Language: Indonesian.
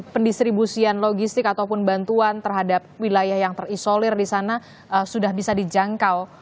pendistribusian logistik ataupun bantuan terhadap wilayah yang terisolir di sana sudah bisa dijangkau